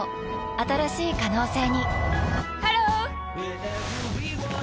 新しい可能性にハロー！